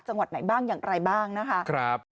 จังหวัดไหนบ้างอย่างไรบ้างนะคะ